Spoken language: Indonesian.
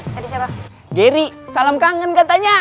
tadi siapa jerry salam kangen katanya